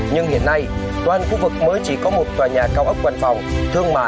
nhưng hiện nay toàn khu vực mới chỉ có một tòa nhà cao ốc quần phòng thương mại